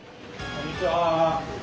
こんにちは。